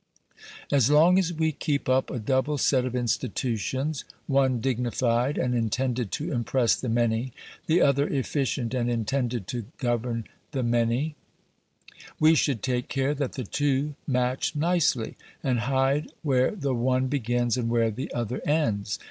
As long as we keep up a double set of institutions one dignified and intended to impress the many, the other efficient and intended to govern the many we should take care that the two match nicely, and hide where the one begins and where the other ends.